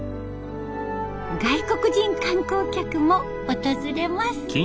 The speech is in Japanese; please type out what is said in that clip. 外国人観光客も訪れます。